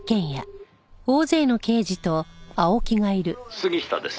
「杉下です」